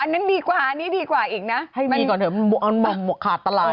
อยู่ดีก็จะไปอากาศบริสุทธิ์สังเกต